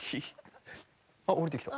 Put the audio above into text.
あっおりてきた。